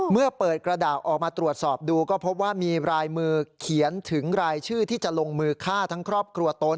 เมื่อเปิดกระดาษออกมาตรวจสอบดูก็พบว่ามีรายมือเขียนถึงรายชื่อที่จะลงมือฆ่าทั้งครอบครัวตน